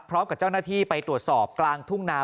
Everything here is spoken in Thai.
พร้อมกับเจ้าหน้าที่ไปตรวจสอบกลางทุ่งนา